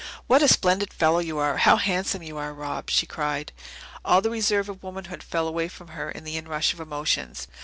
"What a splendid fellow you are how handsome you are, Rob!" she cried. All the reserve of womanhood fell away from her in the inrush of emotions.